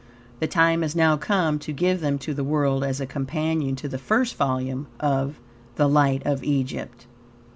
The time has now come to give them to the world as a companion to the first volume of "The Light of Egypt."